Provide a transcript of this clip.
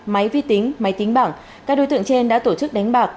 máy vi tính máy tính bảng các đối tượng trên đã tổ chức đánh bạc